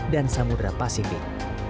dan samudera pasifik